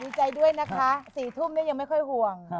ใจด้วยนะคะ๔ทุ่มยังไม่ค่อยห่วง